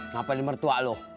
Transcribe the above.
ngapain di mertua lo